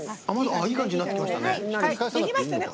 いい感じになってきましたね。